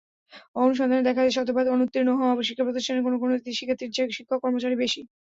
অনুসন্ধানে দেখা গেছে, শতভাগ অনুত্তীর্ণ হওয়া শিক্ষাপ্রতিষ্ঠানের কোনো কোনোটিতে শিক্ষার্থীর চেয়ে শিক্ষক-কর্মচারী বেশি।